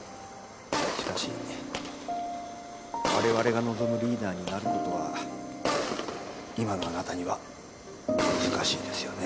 しかし我々が望むリーダーになる事は今のあなたには難しいですよね。